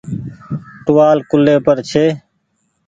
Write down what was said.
ٽووآل ڪولي پر ڇي۔